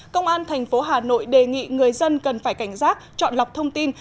công an tp hà nội đề nghị người dân cần phải cảnh giác chọn lọc thông tin